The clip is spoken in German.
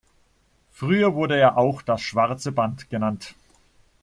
Früher wurde er auch das "Schwarze Band" genannt.